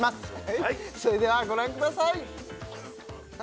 はいそれではご覧ください